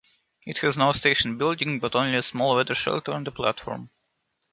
It has no station building, but only a small weather shelter on the platform.